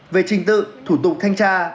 về trình tự thủ tục thanh tra